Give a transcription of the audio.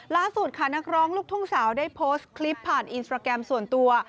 ล่าสุดค่ะนักร้องลูกทุ่งสาวได้โพสต์คลิปผ่านอินสตราแกรมส่วนตัว